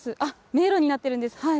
迷路になっているんです。